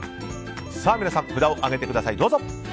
皆さん、札を上げてください。